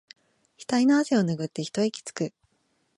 ひたいの汗をぬぐって一息つく